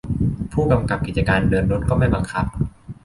ผู้กำกับกิจการเดินรถก็ไม่บังคับ